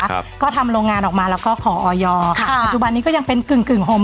ครับก็ทำโรงงานออกมาแล้วก็ขอออยค่ะปัจจุบันนี้ก็ยังเป็นกึ่งกึ่งห่ม